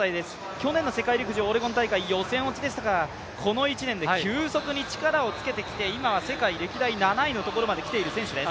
去年のオレゴン大会予選落ちでしたがこの１年で急速に力をつけてきて、今は世界７位につけている選手です